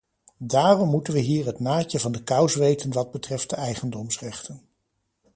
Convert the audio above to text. Daarom moeten we hier het naadje van de kous weten wat betreft de eigendomsrechten.